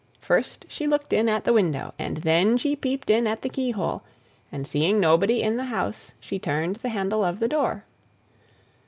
First she looked in at the window, and then she peeped in at the keyhole; and seeing nobody in the house, she turned the handle of the door.